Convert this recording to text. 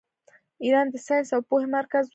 ایران د ساینس او پوهې مرکز و.